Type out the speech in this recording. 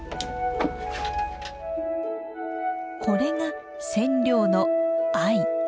これが染料の藍。